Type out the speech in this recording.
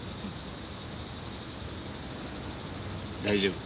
大丈夫。